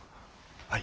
はい！